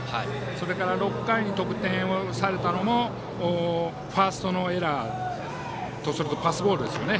それから、６回に得点されたのもファーストのエラーとパスボールですよね。